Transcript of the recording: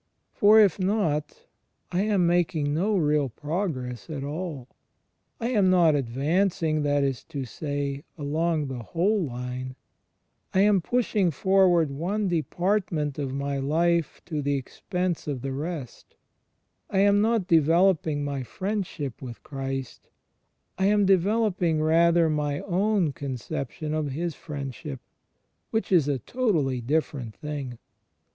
For, if not, I am making no real progress at all. I am not advancing, that is to say, along the whole line: I am pushing forward one department of my life to the expense of the rest: I am not developing my Friendship with Christ: I am developing, rather, my own conception of His Friendship (which is a totally different thing).